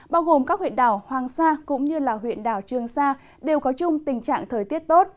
bao gồm các huyện đảo hoàng sa cũng như huyện đảo trương sa đều có chung tình trạng thời tiết tốt